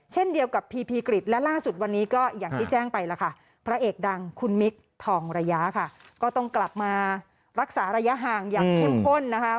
เช่นเดียวกับพีพีกริจและล่าสุดวันนี้ก็อย่างที่แจ้งไปแล้วค่ะพระเอกดังคุณมิคทองระยะค่ะก็ต้องกลับมารักษาระยะห่างอย่างเข้มข้นนะคะ